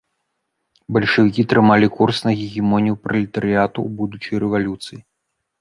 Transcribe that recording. Бальшавікі трымалі курс на гегемонію пралетарыяту ў будучай рэвалюцыі.